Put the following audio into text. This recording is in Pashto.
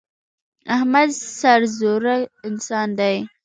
احمد سرزوره انسان دی.